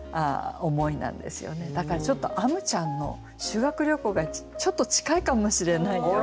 だからちょっとあむちゃんの「修学旅行」がちょっと近いかもしれない。